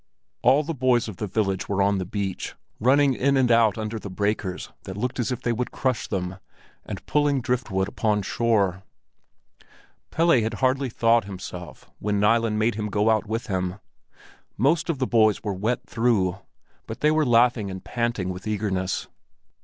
All the boys of the village were on the beach, running in and out under the breakers that looked as if they would crush them, and pulling driftwood upon shore. Pelle had hardly thawed himself when Nilen made him go out with him. Most of the boys were wet through, but they were laughing and panting with eagerness.